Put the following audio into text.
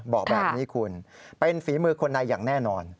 บอกแบบนี้คุณเป็นฝีมือคนในอย่างแน่นอน